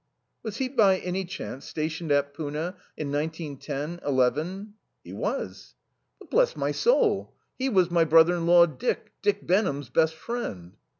"Was he by any chance stationed at Poona in nineteen ten, eleven?" "He was." "But, bless my soul he was my brother in law Dick Dick Benham's best friend."